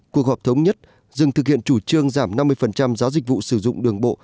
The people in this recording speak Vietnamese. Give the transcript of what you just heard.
cuộc họp thống nhất dừng thực hiện chủ trương giảm năm mươi giá dịch vụ sử dụng đường bộ